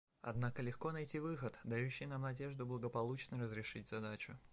Однако легко найти выход, дающий нам надежду благополучно разрешить задачу.